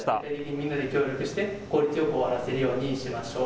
みんなで協力して効率よく終わらせるようにしましょう。